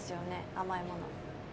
甘いもの。